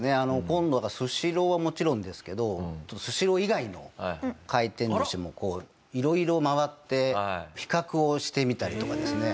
今度はスシローはもちろんですけどスシロー以外の回転寿司も色々回って比較をしてみたりとかですね